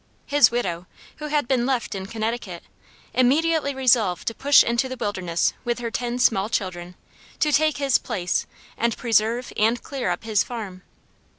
His widow, who had been left in Connecticut, immediately resolved to push into the wilderness with her ten small children, to take his place and preserve and clear up his farm.